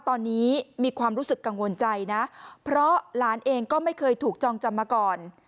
ตอนนี้มีความรู้สึกกังวลใจนะเพราะหลานเองก็ไม่เคยถูกจองจำมาก่อน